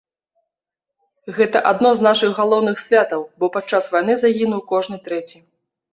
Гэта адно з нашых галоўных святаў, бо падчас вайны загінуў кожны трэці.